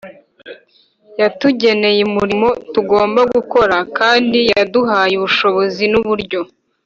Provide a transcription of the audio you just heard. Yatugeneye umurimo tugomba gukora, kandi yaduhaye ubushobozi n’uburyo